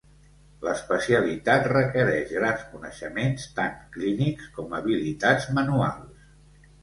L'especialitat requereix grans coneixements tant clínics com habilitats manuals.